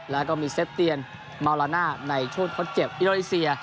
แล้วก็มีเซฟเตียนเมาลาน่าในช่วงทดเจ็บอินโดนีเซีย